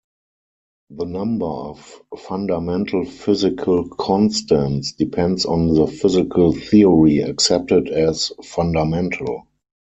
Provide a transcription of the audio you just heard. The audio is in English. The number of fundamental physical constants depends on the physical theory accepted as "fundamental".